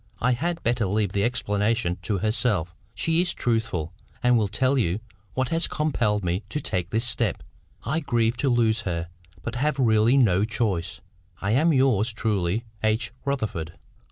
I had better leave the explanation to herself; she is truthful, and will tell you what has compelled me to take this step. I grieve to lose her, but have really no choice. I am, yours truly, H. RUTHERFORD."